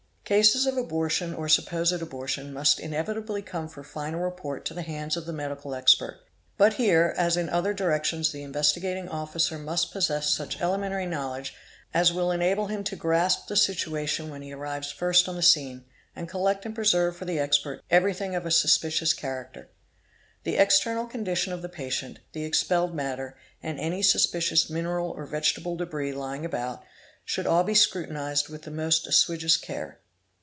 Cases of abortion or supposed abortion must inevitably come for final report to the hands of the medical expert, _ but here as in other directions the Investigating Officer must possess such elementary knowledge as will enable him to grasp the situation _ when he arrives first on the scene and collect and preserve for the expert patient, the expelled matter, and any suspicious mineral or vegetable debris lying about, should all be scrutinised with the most assiduous care.